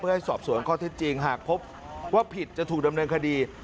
ให้สอบสวนข้อเท็จจริงหากพบว่าผิดจะถูกดำเนินคดี